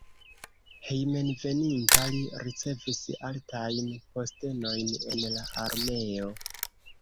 Hejmenveninta li ricevis altajn postenojn en la armeo.